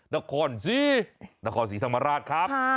นครสินครศรีธรรมราชครับ